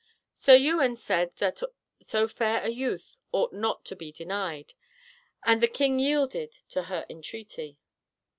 Sir Ewain said that so fair a youth ought not to be denied, and the king yielded to her entreaty.